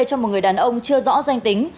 cho một người đàn ông chưa rõ danh tính